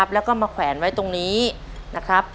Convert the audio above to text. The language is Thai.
แล้วก็มาแขวนไว้ตรงนี้นะครับ